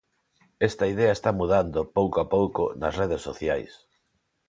Esta idea está mudando, pouco a pouco, nas redes sociais.